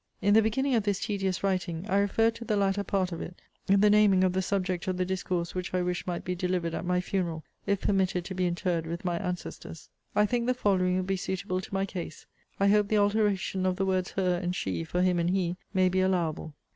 In the beginning of this tedious writing, I referred to the latter part of it, the naming of the subject of the discourse which I wished might be delivered at my funeral, if permitted to be interred with my ancestors. I think the following will be suitable to my case. I hope the alteration of the words her and she, for him and he, may be allowable.